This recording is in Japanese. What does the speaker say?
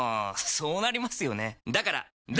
そうなりますよねだから脱！